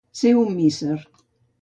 Ser un misser.